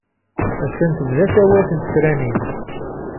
Attan tebda tawayt n tefranin.